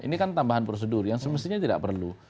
ini kan tambahan prosedur yang semestinya tidak perlu